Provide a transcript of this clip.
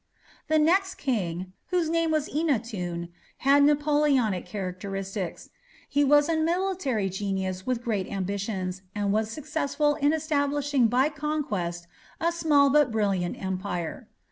The next king, whose name was Eannatum, had Napoleonic characteristics. He was a military genius with great ambitions, and was successful in establishing by conquest a small but brilliant empire.